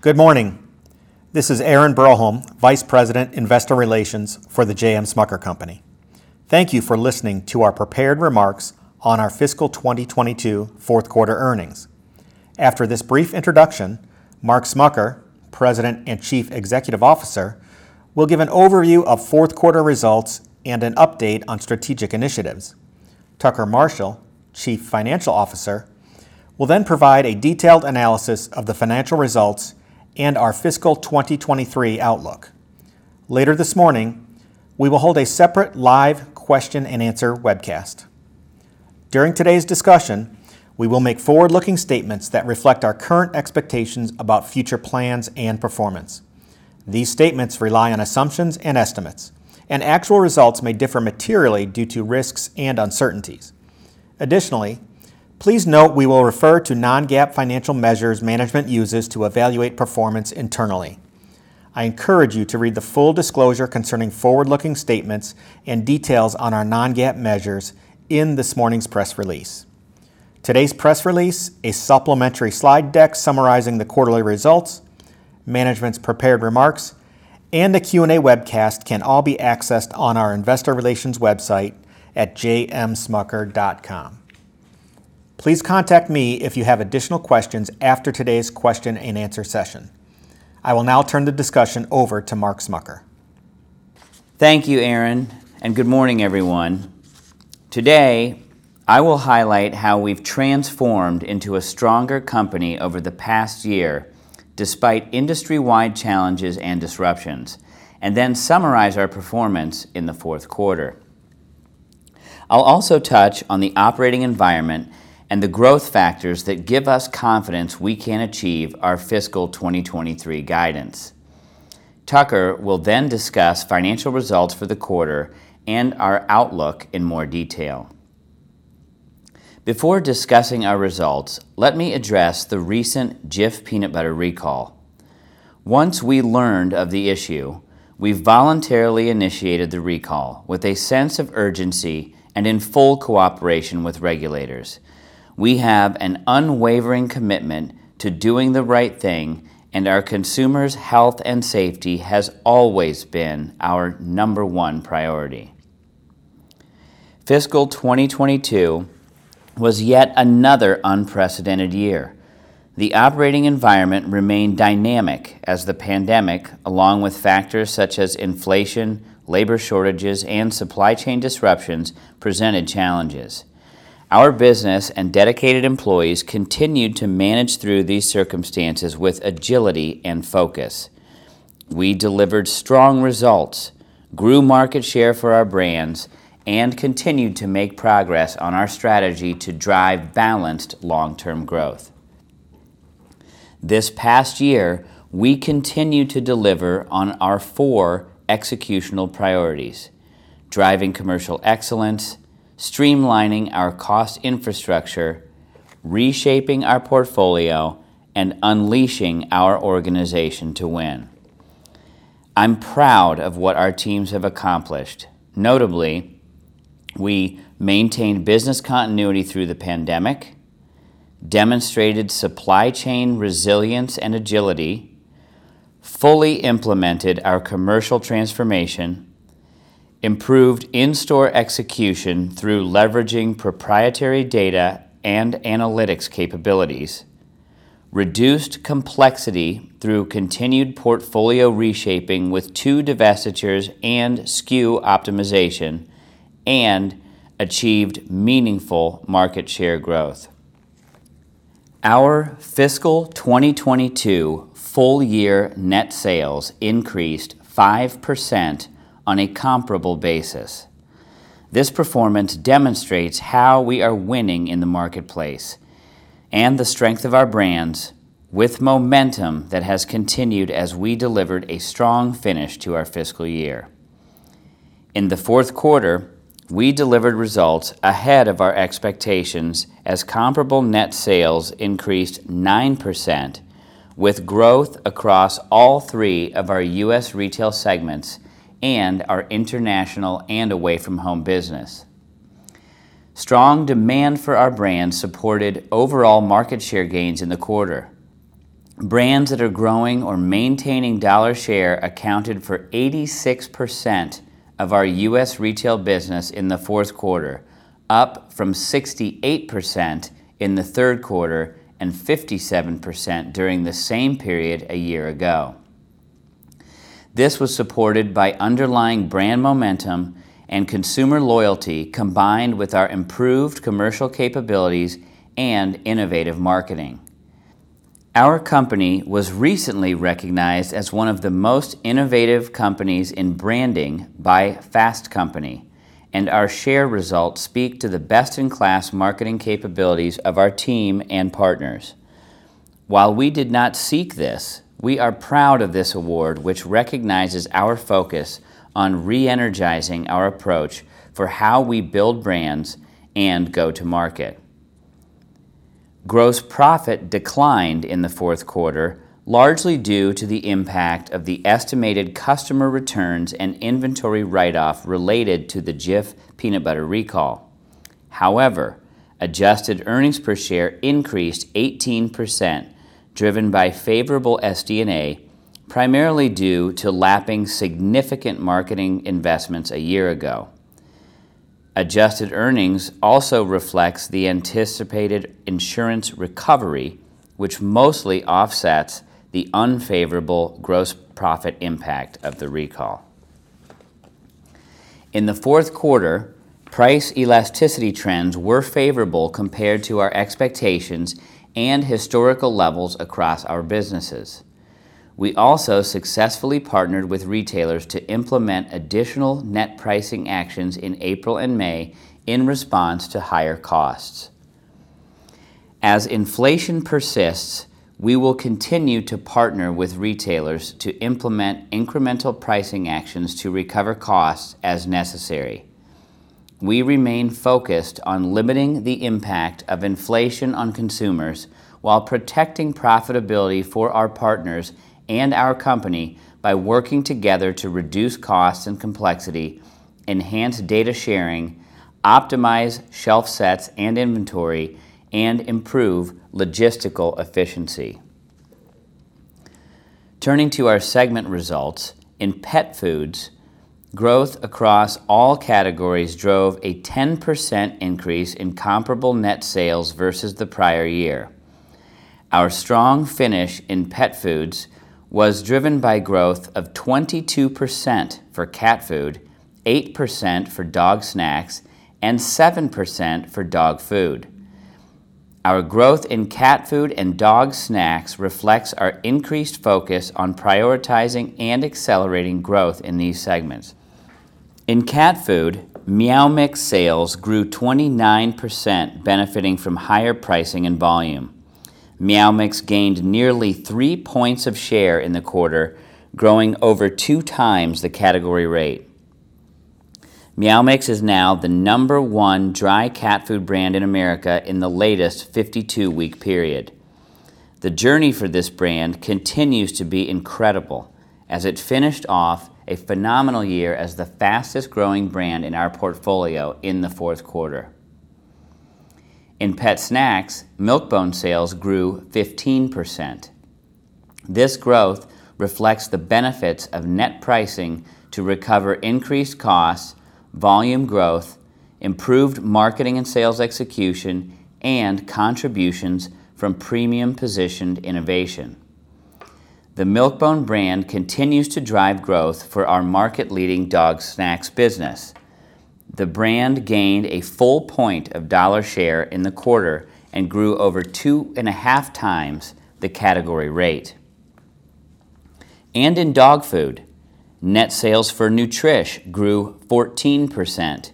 Good morning. This is Aaron Broholm, Vice President, Investor Relations for The J.M. Smucker Company. Thank you for listening to our prepared remarks on our fiscal 2022 fourth quarter earnings. After this brief introduction, Mark Smucker, President and Chief Executive Officer, will give an overview of fourth quarter results and an update on strategic initiatives. Tucker Marshall, Chief Financial Officer, will then provide a detailed analysis of the financial results and our fiscal 2023 outlook. Later this morning, we will hold a separate live question and answer webcast. During today's discussion, we will make forward-looking statements that reflect our current expectations about future plans and performance. These statements rely on assumptions and estimates, and actual results may differ materially due to risks and uncertainties. Additionally, please note we will refer to non-GAAP financial measures management uses to evaluate performance internally. I encourage you to read the full disclosure concerning forward-looking statements and details on our non-GAAP measures in this morning's press release. Today's press release, a supplementary slide deck summarizing the quarterly results, management's prepared remarks, and the Q&A webcast can all be accessed on our investor relations website at jmsmucker.com. Please contact me if you have additional questions after today's question and answer session. I will now turn the discussion over to Mark Smucker. Thank you, Aaron, and good morning, everyone. Today, I will highlight how we've transformed into a stronger company over the past year despite industry-wide challenges and disruptions, and then summarize our performance in the fourth quarter. I'll also touch on the operating environment and the growth factors that give us confidence we can achieve our fiscal 2023 guidance. Tucker will then discuss financial results for the quarter and our outlook in more detail. Before discussing our results, let me address the recent Jif peanut butter recall. Once we learned of the issue, we voluntarily initiated the recall with a sense of urgency and in full cooperation with regulators. We have an unwavering commitment to doing the right thing, and our consumers' health and safety has always been our number one priority. Fiscal 2022 was yet another unprecedented year. The operating environment remained dynamic as the pandemic, along with factors such as inflation, labor shortages, and supply chain disruptions, presented challenges. Our business and dedicated employees continued to manage through these circumstances with agility and focus. We delivered strong results, grew market share for our brands, and continued to make progress on our strategy to drive balanced long-term growth. This past year, we continued to deliver on our four executional priorities, driving commercial excellence, streamlining our cost infrastructure, reshaping our portfolio, and unleashing our organization to win. I'm proud of what our teams have accomplished. Notably, we maintained business continuity through the pandemic, demonstrated supply chain resilience and agility, fully implemented our commercial transformation, improved in-store execution through leveraging proprietary data and analytics capabilities, reduced complexity through continued portfolio reshaping with two divestitures and SKU optimization, and achieved meaningful market share growth. Our fiscal 2022 full year net sales increased 5% on a comparable basis. This performance demonstrates how we are winning in the marketplace and the strength of our brands with momentum that has continued as we delivered a strong finish to our fiscal year. In the fourth quarter, we delivered results ahead of our expectations as comparable net sales increased 9% with growth across all three of our U.S. Retail segments and our International and Away From Home business. Strong demand for our brand supported overall market share gains in the quarter. Brands that are growing or maintaining dollar share accounted for 86% of our U.S. Retail business in the fourth quarter, up from 68% in the third quarter and 57% during the same period a year ago. This was supported by underlying brand momentum and consumer loyalty combined with our improved commercial capabilities and innovative marketing. Our company was recently recognized as one of the most innovative companies in branding by Fast Company, and our share results speak to the best-in-class marketing capabilities of our team and partners. While we did not seek this, we are proud of this award, which recognizes our focus on re-energizing our approach for how we build brands and go to market. Gross profit declined in the fourth quarter, largely due to the impact of the estimated customer returns and inventory write-off related to the Jif peanut butter recall. However, adjusted earnings per share increased 18%, driven by favorable SD&A, primarily due to lapping significant marketing investments a year ago. Adjusted earnings also reflects the anticipated insurance recovery, which mostly offsets the unfavorable gross profit impact of the recall. In the fourth quarter, price elasticity trends were favorable compared to our expectations and historical levels across our businesses. We also successfully partnered with retailers to implement additional net pricing actions in April and May in response to higher costs. As inflation persists, we will continue to partner with retailers to implement incremental pricing actions to recover costs as necessary. We remain focused on limiting the impact of inflation on consumers while protecting profitability for our partners and our company by working together to reduce costs and complexity, enhance data sharing, optimize shelf sets and inventory, and improve logistical efficiency. Turning to our segment results. In pet foods, growth across all categories drove a 10% increase in comparable net sales versus the prior year. Our strong finish in pet foods was driven by growth of 22% for cat food, 8% for dog snacks, and 7% for dog food. Our growth in cat food and dog snacks reflects our increased focus on prioritizing and accelerating growth in these segments. In cat food, Meow Mix sales grew 29%, benefiting from higher pricing and volume. Meow Mix gained nearly 3 points of share in the quarter, growing over 2x the category rate. Meow Mix is now the number one dry cat food brand in America in the latest 52-week period. The journey for this brand continues to be incredible as it finished off a phenomenal year as the fastest growing brand in our portfolio in the fourth quarter. In pet snacks, Milk-Bone sales grew 15%. This growth reflects the benefits of net pricing to recover increased costs, volume growth, improved marketing and sales execution, and contributions from premium positioned innovation. The Milk-Bone brand continues to drive growth for our market leading dog snacks business. The brand gained a full point of dollar share in the quarter and grew over 2.5x the category rate. In dog food, net sales for Nutrish grew 14%.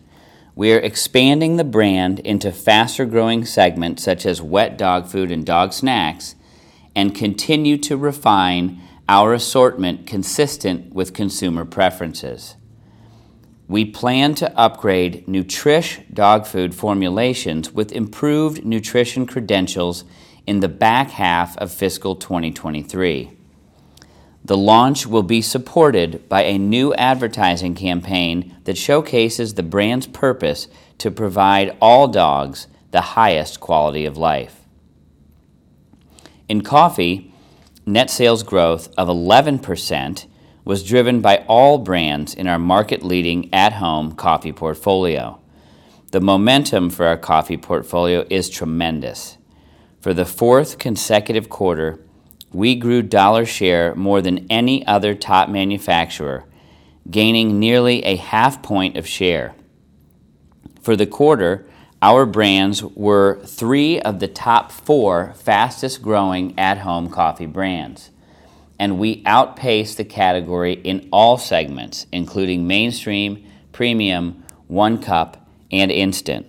We are expanding the brand into faster growing segments such as wet dog food and dog snacks, and continue to refine our assortment consistent with consumer preferences. We plan to upgrade Nutrish dog food formulations with improved nutrition credentials in the back half of fiscal 2023. The launch will be supported by a new advertising campaign that showcases the brand's purpose to provide all dogs the highest quality of life. In coffee, net sales growth of 11% was driven by all brands in our market-leading at-home coffee portfolio. The momentum for our coffee portfolio is tremendous. For the fourth consecutive quarter, we grew dollar share more than any other top manufacturer, gaining nearly a half point of share. For the quarter, our brands were three of the top four fastest growing at-home coffee brands, and we outpaced the category in all segments, including mainstream, premium, one cup, and instant.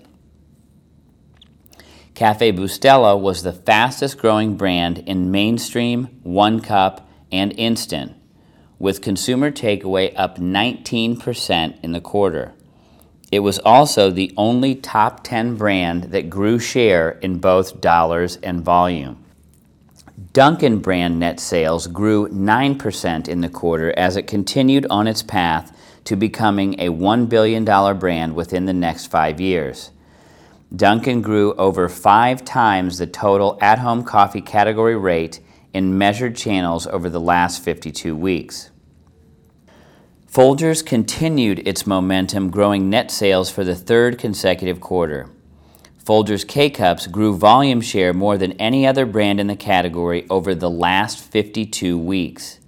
Café Bustelo was the fastest growing brand in mainstream, one cup, and instant, with consumer takeaway up 19% in the quarter. It was also the only top 10 brand that grew share in both dollars and volume. Dunkin' brand net sales grew 9% in the quarter as it continued on its path to becoming a 1 billion-dollar brand within the next 5 years. Dunkin' grew over 5x the total at-home coffee category rate in measured channels over the last 52 weeks. Folgers continued its momentum growing net sales for the third consecutive quarter. Folgers K-Cups grew volume share more than any other brand in the category over the last 52 weeks.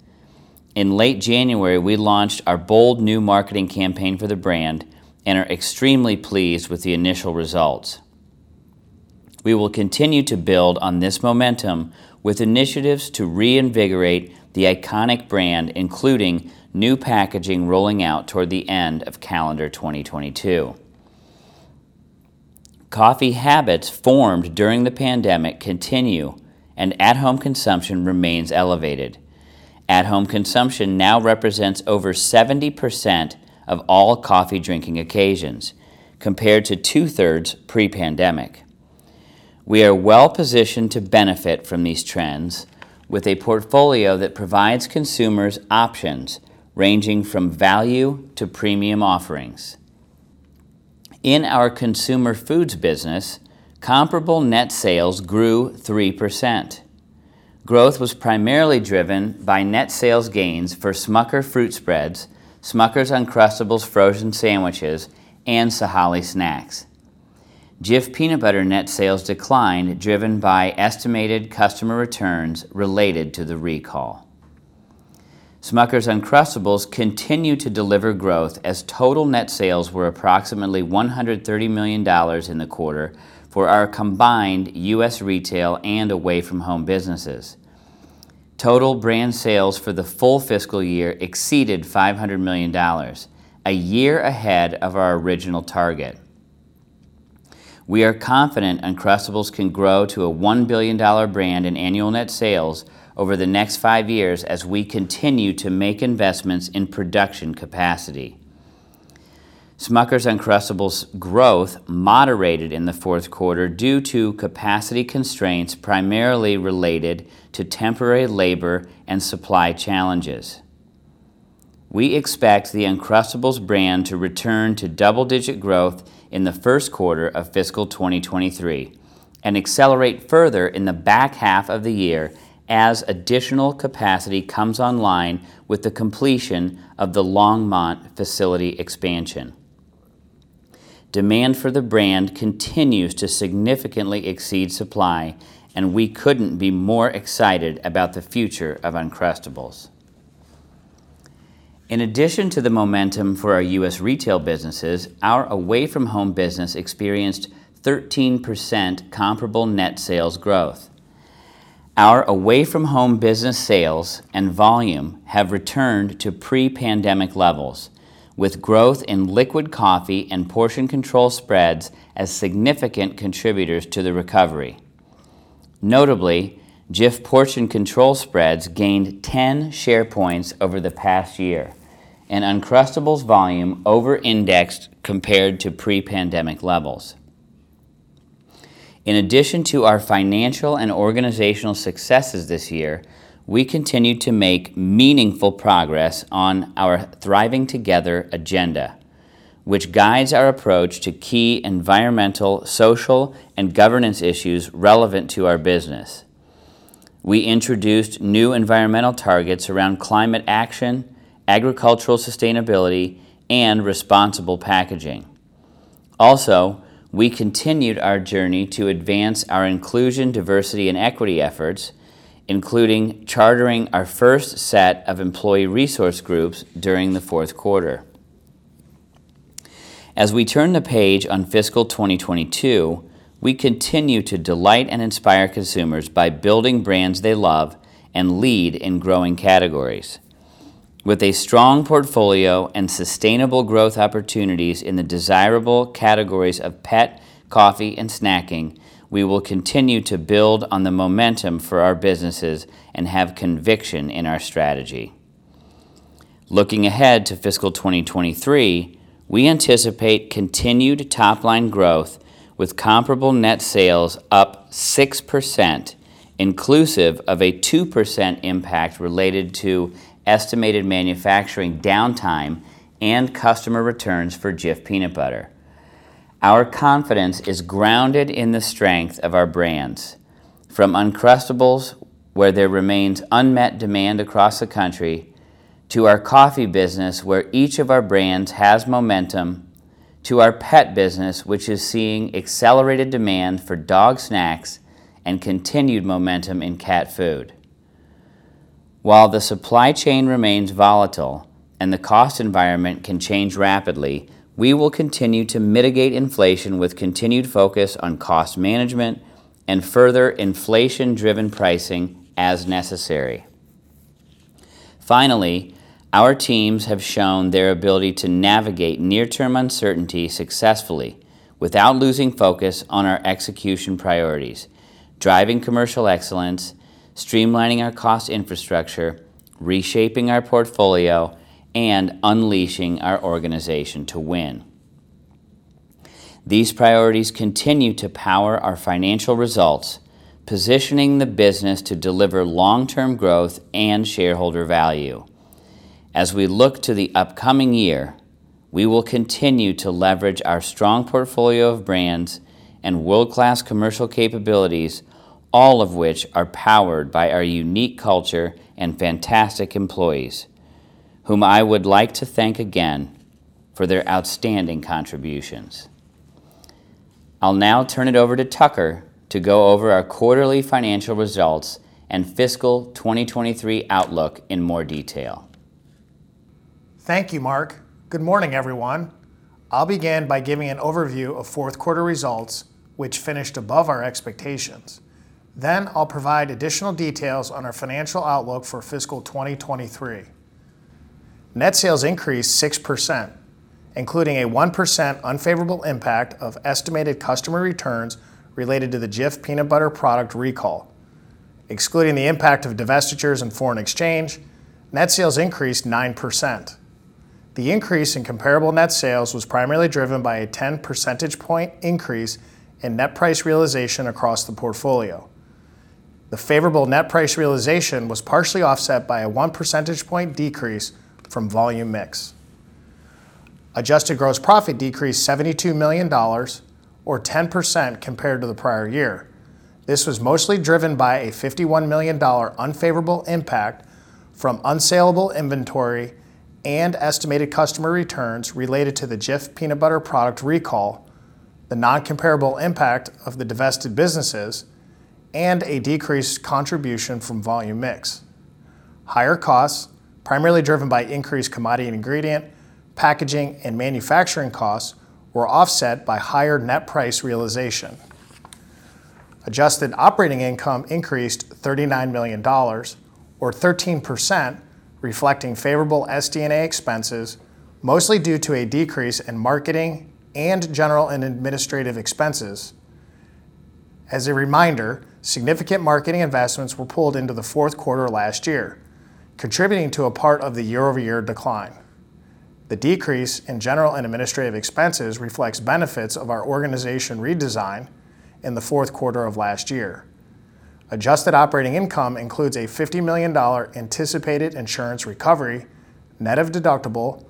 In late January, we launched our bold new marketing campaign for the brand and are extremely pleased with the initial results. We will continue to build on this momentum with initiatives to reinvigorate the iconic brand, including new packaging rolling out toward the end of calendar 2022. Coffee habits formed during the pandemic continue, and at home consumption remains elevated. At home consumption now represents over 70% of all coffee drinking occasions compared to 2/3 pre-pandemic. We are well positioned to benefit from these trends with a portfolio that provides consumers options ranging from value to premium offerings. In our Consumer Foods business, comparable net sales grew 3%. Growth was primarily driven by net sales gains for Smucker's fruit spreads, Smucker's Uncrustables frozen sandwiches, and Sahale Snacks. Jif peanut butter net sales declined, driven by estimated customer returns related to the recall. Smucker's Uncrustables continue to deliver growth as total net sales were approximately $130 million in the quarter for our combined U.S. Retail and Away From Home businesses. Total brand sales for the full fiscal year exceeded $500 million, a year ahead of our original target. We are confident Uncrustables can grow to a $1 billion-dollar brand in annual net sales over the next 5 years as we continue to make investments in production capacity. Smucker's Uncrustables growth moderated in the fourth quarter due to capacity constraints, primarily related to temporary labor and supply challenges. We expect the Uncrustables brand to return to double-digit growth in the first quarter of fiscal 2023 and accelerate further in the back half of the year as additional capacity comes online with the completion of the Longmont facility expansion. Demand for the brand continues to significantly exceed supply, and we couldn't be more excited about the future of Uncrustables. In addition to the momentum for our U.S. Retail businesses, our Away From Home business experienced 13% comparable net sales growth. Our Away From Home business sales and volume have returned to pre-pandemic levels, with growth in liquid coffee and portion control spreads as significant contributors to the recovery. Notably, Jif portion control spreads gained 10 share points over the past year, and Uncrustables volume over-indexed compared to pre-pandemic levels. In addition to our financial and organizational successes this year, we continue to make meaningful progress on our Thriving Together agenda, which guides our approach to key environmental, social, and governance issues relevant to our business. We introduced new environmental targets around climate action, agricultural sustainability, and responsible packaging. Also, we continued our journey to advance our inclusion, diversity, and equity efforts, including chartering our first set of employee resource groups during the fourth quarter. As we turn the page on fiscal 2022, we continue to delight and inspire consumers by building brands they love and lead in growing categories. With a strong portfolio and sustainable growth opportunities in the desirable categories of pet, coffee, and snacking, we will continue to build on the momentum for our businesses and have conviction in our strategy. Looking ahead to fiscal 2023, we anticipate continued top-line growth with comparable net sales up 6%, inclusive of a 2% impact related to estimated manufacturing downtime and customer returns for Jif peanut butter. Our confidence is grounded in the strength of our brands, from Uncrustables, where there remains unmet demand across the country, to our coffee business, where each of our brands has momentum, to our pet business, which is seeing accelerated demand for dog snacks and continued momentum in cat food. While the supply chain remains volatile and the cost environment can change rapidly, we will continue to mitigate inflation with continued focus on cost management and further inflation-driven pricing as necessary. Finally, our teams have shown their ability to navigate near-term uncertainty successfully without losing focus on our execution priorities, driving commercial excellence, streamlining our cost infrastructure, reshaping our portfolio, and unleashing our organization to win. These priorities continue to power our financial results, positioning the business to deliver long-term growth and shareholder value. As we look to the upcoming year, we will continue to leverage our strong portfolio of brands and world-class commercial capabilities, all of which are powered by our unique culture and fantastic employees, whom I would like to thank again for their outstanding contributions. I'll now turn it over to Tucker to go over our quarterly financial results and fiscal 2023 outlook in more detail. Thank you, Mark. Good morning, everyone. I'll begin by giving an overview of fourth quarter results, which finished above our expectations. I'll provide additional details on our financial outlook for fiscal 2023. Net sales increased 6%, including a 1% unfavorable impact of estimated customer returns related to the Jif peanut butter product recall. Excluding the impact of divestitures and foreign exchange, net sales increased 9%. The increase in comparable net sales was primarily driven by a 10 percentage point increase in net price realization across the portfolio. The favorable net price realization was partially offset by a 1 percentage point decrease from volume mix. Adjusted gross profit decreased $72 million or 10% compared to the prior year. This was mostly driven by a $51 million unfavorable impact from unsaleable inventory and estimated customer returns related to the Jif peanut butter product recall, the non-comparable impact of the divested businesses, and a decreased contribution from volume mix. Higher costs, primarily driven by increased commodity and ingredient, packaging, and manufacturing costs, were offset by higher net price realization. Adjusted operating income increased $39 million or 13%, reflecting favorable SD&A expenses, mostly due to a decrease in marketing and general and administrative expenses. As a reminder, significant marketing investments were pulled into the fourth quarter last year, contributing to a part of the year-over-year decline. The decrease in general and administrative expenses reflects benefits of our organization redesign in the fourth quarter of last year. Adjusted operating income includes a $50 million anticipated insurance recovery, net of deductible,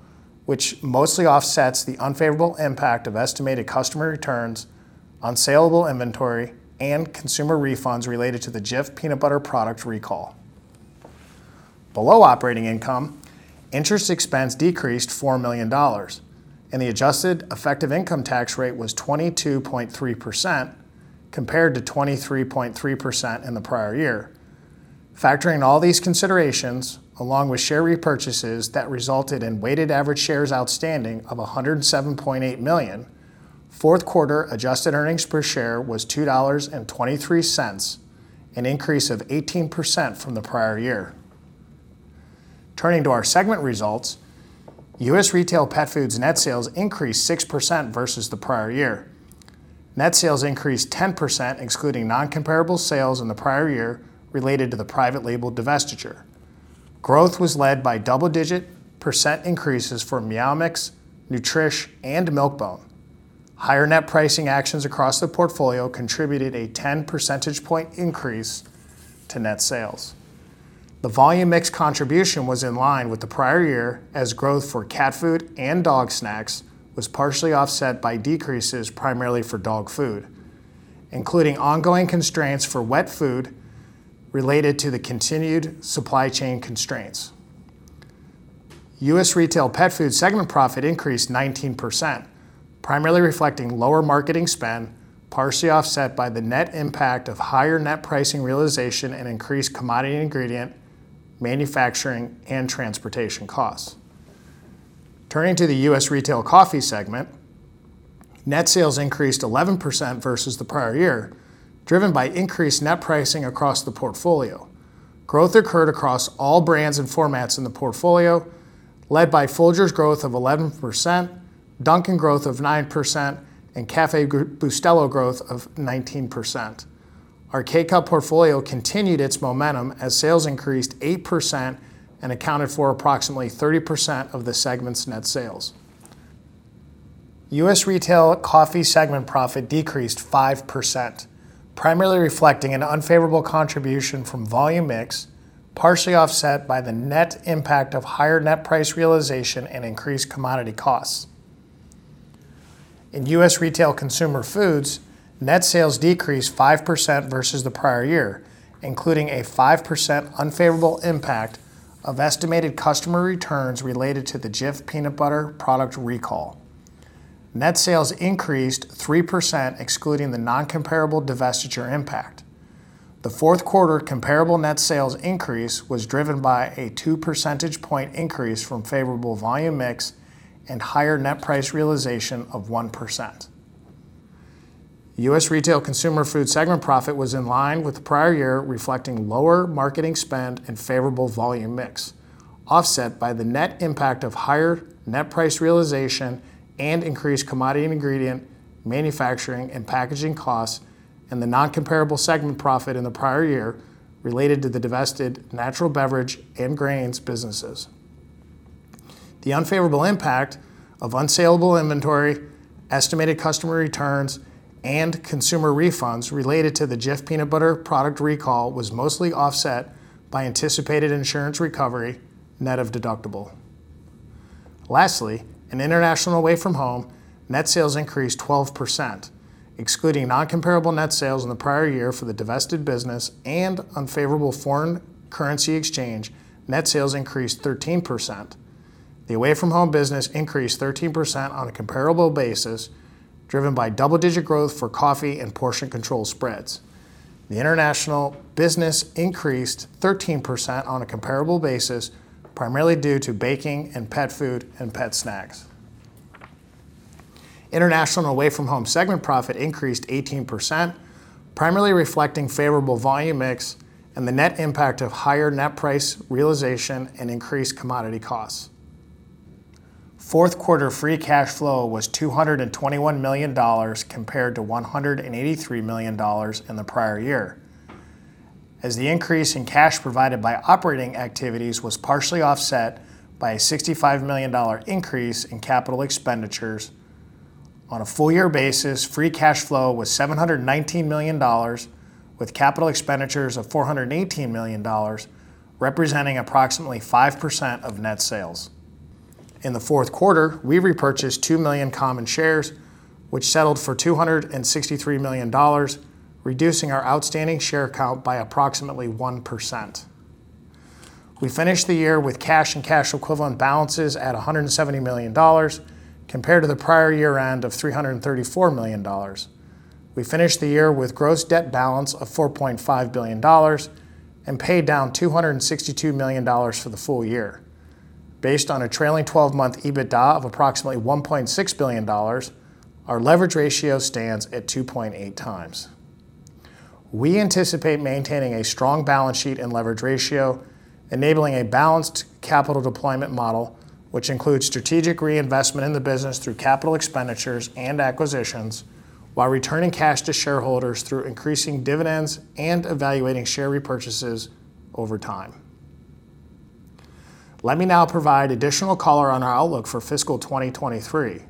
which mostly offsets the unfavorable impact of estimated customer returns, unsaleable inventory, and consumer refunds related to the Jif peanut butter product recall. Below operating income, interest expense decreased $4 million, and the adjusted effective income tax rate was 22.3% compared to 23.3% in the prior year. Factoring all these considerations, along with share repurchases that resulted in weighted average shares outstanding of 107.8 million, fourth quarter adjusted earnings per share was $2.23, an increase of 18% from the prior year. Turning to our segment results, U.S. Retail Pet Foods net sales increased 6% versus the prior year. Net sales increased 10% excluding non-comparable sales in the prior year related to the private label divestiture. Growth was led by double-digit percent increases for Meow Mix, Nutrish, and Milk-Bone. Higher net pricing actions across the portfolio contributed a 10 percentage point increase to net sales. The volume mix contribution was in line with the prior year as growth for cat food and dog snacks was partially offset by decreases primarily for dog food, including ongoing constraints for wet food related to the continued supply chain constraints. U.S. Retail Pet Foods segment profit increased 19%, primarily reflecting lower marketing spend, partially offset by the net impact of higher net pricing realization and increased commodity and ingredient, manufacturing, and transportation costs. Turning to the U.S. Retail Coffee segment, net sales increased 11% versus the prior year, driven by increased net pricing across the portfolio. Growth occurred across all brands and formats in the portfolio, led by Folgers growth of 11%, Dunkin' growth of 9%, and Café Bustelo growth of 19%. Our K-Cup portfolio continued its momentum as sales increased 8% and accounted for approximately 30% of the segment's net sales. U.S. Retail Coffee segment profit decreased 5%, primarily reflecting an unfavorable contribution from volume mix, partially offset by the net impact of higher net price realization and increased commodity costs. In U.S. Retail Consumer Foods, net sales decreased 5% versus the prior year, including a 5% unfavorable impact of estimated customer returns related to the Jif peanut butter product recall. Net sales increased 3% excluding the non-comparable divestiture impact. The fourth quarter comparable net sales increase was driven by a 2 percentage point increase from favorable volume mix and higher net price realization of 1%. U.S. Retail Consumer Foods segment profit was in line with the prior year reflecting lower marketing spend and favorable volume mix, offset by the net impact of higher net price realization and increased commodity and ingredient, manufacturing, and packaging costs, and the non-comparable segment profit in the prior year related to the divested natural beverage and grains businesses. The unfavorable impact of unsaleable inventory, estimated customer returns, and consumer refunds related to the Jif peanut butter product recall was mostly offset by anticipated insurance recovery, net of deductible. Lastly, in International and Away From Home, net sales increased 12%. Excluding non-comparable net sales in the prior year for the divested business and unfavorable foreign currency exchange, net sales increased 13%. The Away From Home business increased 13% on a comparable basis, driven by double-digit growth for coffee and portion control spreads. The International business increased 13% on a comparable basis, primarily due to baking and pet food and pet snacks. International and Away From Home segment profit increased 18%, primarily reflecting favorable volume mix and the net impact of higher net price realization and increased commodity costs. Fourth quarter free cash flow was $221 million compared to $183 million in the prior year. As the increase in cash provided by operating activities was partially offset by a $65 million increase in capital expenditures. On a full year basis, free cash flow was $719 million, with capital expenditures of $418 million, representing approximately 5% of net sales. In the fourth quarter, we repurchased 2 million common shares, which settled for $263 million, reducing our outstanding share count by approximately 1%. We finished the year with cash and cash equivalent balances at $170 million compared to the prior year end of $334 million. We finished the year with gross debt balance of $4.5 billion and paid down $262 million for the full year. Based on a trailing twelve-month EBITDA of approximately $1.6 billion, our leverage ratio stands at 2.8x. We anticipate maintaining a strong balance sheet and leverage ratio, enabling a balanced capital deployment model, which includes strategic reinvestment in the business through capital expenditures and acquisitions while returning cash to shareholders through increasing dividends and evaluating share repurchases over time. Let me now provide additional color on our outlook for fiscal 2023.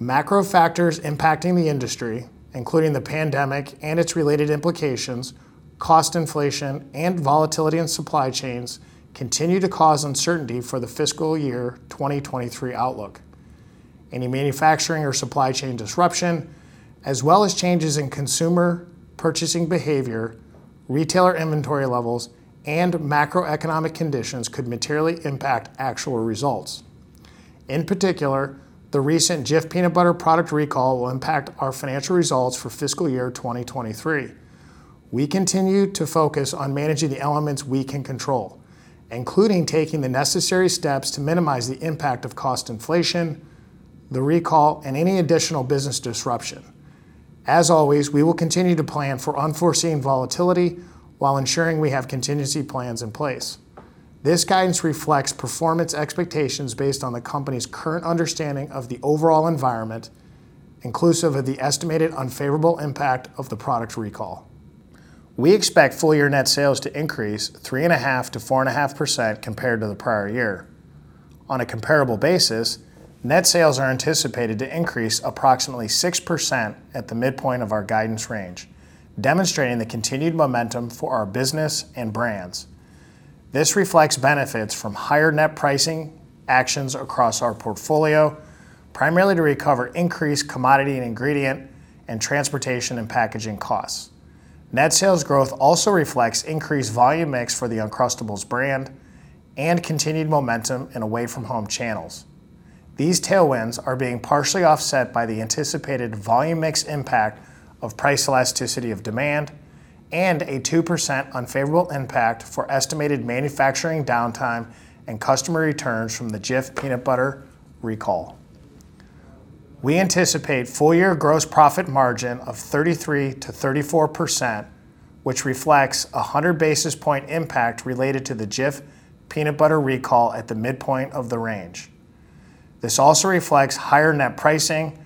Macro factors impacting the industry, including the pandemic and its related implications, cost inflation, and volatility in supply chains, continue to cause uncertainty for the fiscal year 2023 outlook. Any manufacturing or supply chain disruption, as well as changes in consumer purchasing behavior, retailer inventory levels, and macroeconomic conditions could materially impact actual results. In particular, the recent Jif peanut butter product recall will impact our financial results for fiscal year 2023. We continue to focus on managing the elements we can control, including taking the necessary steps to minimize the impact of cost inflation, the recall, and any additional business disruption. As always, we will continue to plan for unforeseen volatility while ensuring we have contingency plans in place. This guidance reflects performance expectations based on the company's current understanding of the overall environment, inclusive of the estimated unfavorable impact of the product recall. We expect full year net sales to increase 3.5%-4.5% compared to the prior year. On a comparable basis, net sales are anticipated to increase approximately 6% at the midpoint of our guidance range, demonstrating the continued momentum for our business and brands. This reflects benefits from higher net pricing actions across our portfolio, primarily to recover increased commodity and ingredient and transportation and packaging costs. Net sales growth also reflects increased volume mix for the Uncrustables brand and continued momentum in Away From Home channels. These tailwinds are being partially offset by the anticipated volume mix impact of price elasticity of demand and a 2% unfavorable impact for estimated manufacturing downtime and customer returns from the Jif peanut butter recall. We anticipate full year gross profit margin of 33%-34%, which reflects a 100 basis point impact related to the Jif peanut butter recall at the midpoint of the range. This also reflects higher net pricing,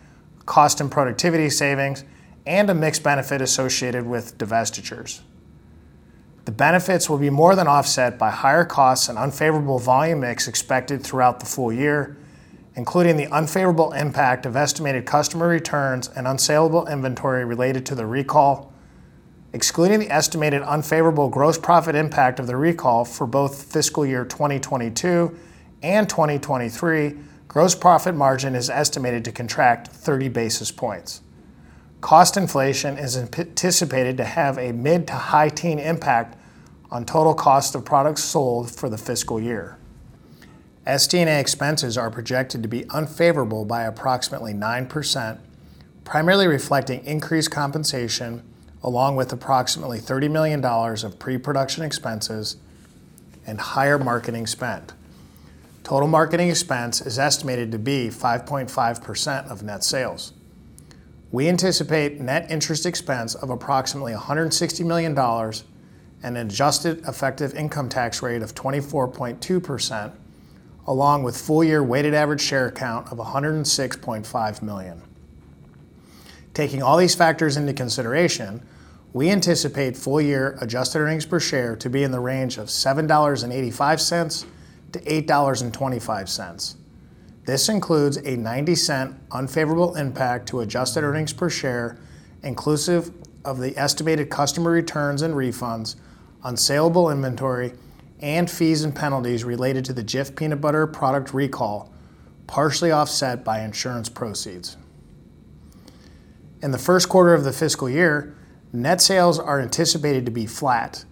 cost and productivity savings, and a mixed benefit associated with divestitures. The benefits will be more than offset by higher costs and unfavorable volume mix expected throughout the full year, including the unfavorable impact of estimated customer returns and unsaleable inventory related to the recall. Excluding the estimated unfavorable gross profit impact of the recall for both fiscal year 2022 and 2023, gross profit margin is estimated to contract 30 basis points. Cost inflation is anticipated to have a mid to high teen impact on total cost of products sold for the fiscal year. SD&A expenses are projected to be unfavorable by approximately 9%, primarily reflecting increased compensation along with approximately $30 million of pre-production expenses and higher marketing spend. Total marketing expense is estimated to be 5.5% of net sales. We anticipate net interest expense of approximately $160 million and an adjusted effective income tax rate of 24.2% along with full year weighted average share count of 106.5 million. Taking all these factors into consideration, we anticipate full year adjusted earnings per share to be in the range of $7.85-$8.25. This includes a $0.90 unfavorable impact to adjusted earnings per share, inclusive of the estimated customer returns and refunds, unsaleable inventory, and fees and penalties related to the Jif peanut butter product recall, partially offset by insurance proceeds. In the first quarter of the fiscal year, net sales are anticipated to be flat,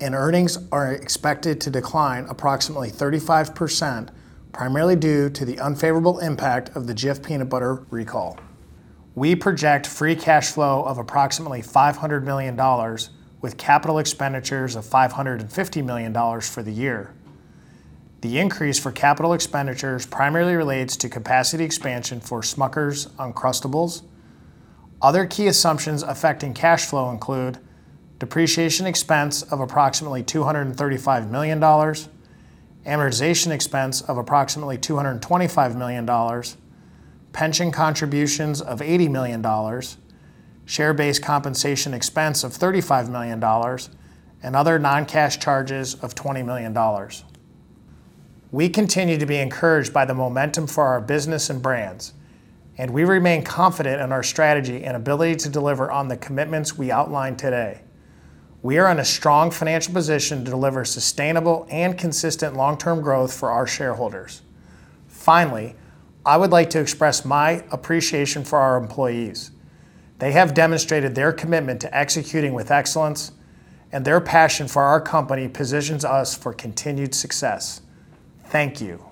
and earnings are expected to decline approximately 35%, primarily due to the unfavorable impact of the Jif peanut butter recall. We project free cash flow of approximately $500 million with capital expenditures of $550 million for the year. The increase for capital expenditures primarily relates to capacity expansion for Smucker's Uncrustables. Other key assumptions affecting cash flow include depreciation expense of approximately $235 million, amortization expense of approximately $225 million, pension contributions of $80 million, share-based compensation expense of $35 million, and other non-cash charges of $20 million. We continue to be encouraged by the momentum for our business and brands, and we remain confident in our strategy and ability to deliver on the commitments we outlined today. We are in a strong financial position to deliver sustainable and consistent long-term growth for our shareholders. Finally, I would like to express my appreciation for our employees. They have demonstrated their commitment to executing with excellence, and their passion for our company positions us for continued success. Thank you.